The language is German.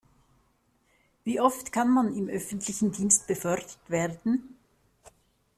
Wie oft kann man im öffentlichen Dienst befördert werden?